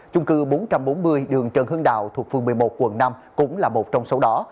chung cư bốn trăm bốn mươi đường trần hưng đạo thuộc phường một mươi một quận năm cũng là một trong số đó